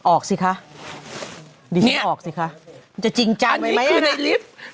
ออกสิคะออกสิคะจะจริงจังไว้ไหมอ่ะ